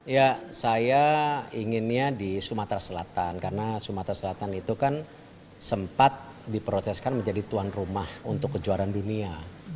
ya saya inginnya di sumatera selatan karena sumatera selatan itu kan sempat diproteskan menjadi tuan rumah untuk kejuaraan dunia